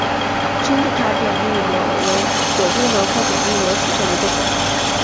金字塔扁粒螺为左锥螺科扁粒螺属下的一个种。